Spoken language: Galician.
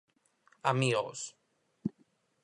Amigos.